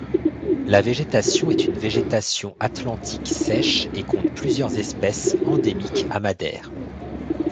La végétation est une végétation atlantique sèche et compte plusieurs espèces endémiques à Madère.